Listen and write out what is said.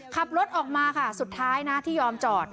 ขับรถออกมาค่ะสุดท้ายนะที่ยอมจอด